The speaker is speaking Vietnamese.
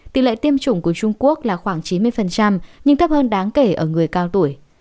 tỷ lệ tiêm chủng của trung quốc là khoảng chín mươi nhưng thấp hơn đáng kể ở người cao tuổi